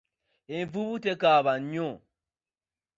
Envubu nekaaba nnyo.